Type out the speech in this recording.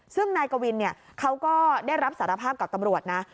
ซึ่งนายกวินเขาก็ได้รับสารภาพกับตำรวจนะ